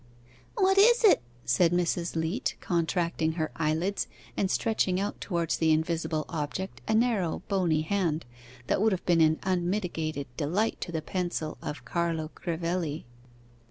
'What is it?' said Mrs. Leat, contracting her eyelids, and stretching out towards the invisible object a narrow bony hand that would have been an unmitigated delight to the pencil of Carlo Crivelli.